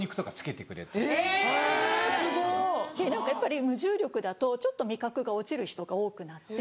やっぱり無重力だとちょっと味覚が落ちる人が多くなって。